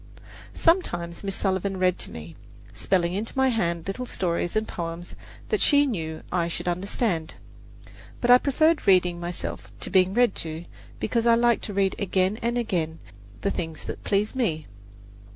Sometimes Miss Sullivan read to me, spelling into my hand little stories and poems that she knew I should understand; but I preferred reading myself to being read to, because I liked to read again and again the things that pleased me.